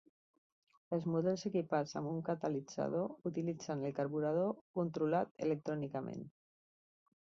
Els models equipats amb un catalitzador utilitzen el carburador controlat electrònicament.